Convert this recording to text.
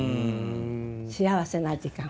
幸せな時間。